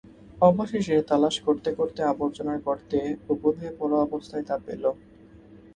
অবশেষে তালাশ করতে করতে আবর্জনার গর্তে উপুড় হয়ে পড়া অবস্থায় তা পেল।